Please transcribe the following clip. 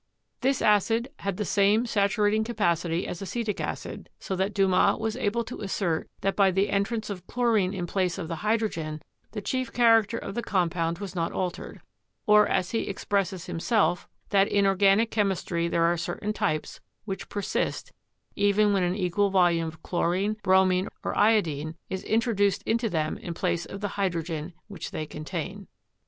This acid had the same saturating capacity as acetic acid, so that Dumas was able to assert that by the entrance of chlorine in place of the hydrogen, the chief character of the com pound was not altered; or, as he expresses himself, "that in organic chemistry there are certain types which per sist even when an equal volume of chlorine, bromine, or iodine is introduced into them in place of the hydrogen which they contain."